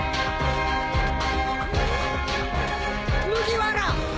麦わらぁ！